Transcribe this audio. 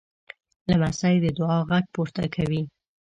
لمسی د دعا غږ پورته کوي.